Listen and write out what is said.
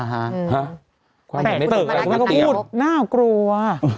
แต่คุณธรรมนักกับนายกบอกหน้ากลัว